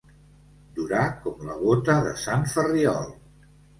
Durar com la bota de sant Ferriol.